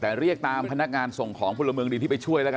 แต่เรียกตามพนักงานส่งของพลเมืองดีที่ไปช่วยแล้วกัน